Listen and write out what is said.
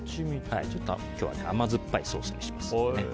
今日は甘酸っぱいソースにします。